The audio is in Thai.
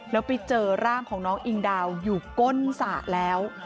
แล้วไปเจอร่างของน้องอิงดาวอยู่ก้นสระแล้ว